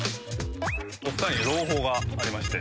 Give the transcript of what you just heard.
お２人に朗報がありまして。